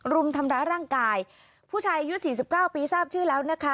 รุมทำร้ายร่างกายผู้ชายอายุ๔๙ปีทราบชื่อแล้วนะคะ